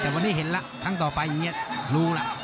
แต่วันนี้เห็นแล้วครั้งต่อไปอย่างนี้รู้ล่ะ